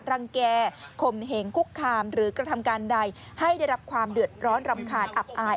รังแก่ข่มเหงคุกคามหรือกระทำการใดให้ได้รับความเดือดร้อนรำคาญอับอาย